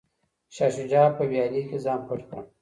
شاه شجاع په ویالې کې ځان پټ کړ.